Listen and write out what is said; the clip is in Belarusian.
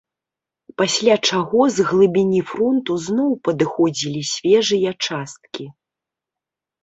Пасля чаго з глыбіні фронту зноў падыходзілі свежыя часткі.